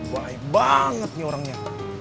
wahai banget nih orangnya